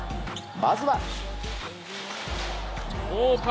まずは。